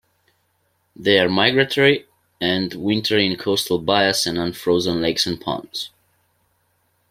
They are migratory and winter in coastal bays and unfrozen lakes and ponds.